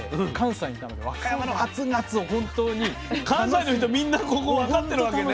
関西の人みんなここ分かってるわけね。